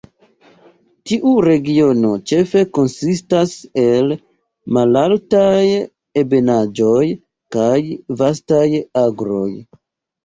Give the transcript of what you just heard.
Tiu regiono ĉefe konsistas el malaltaj ebenaĵoj kaj vastaj agroj.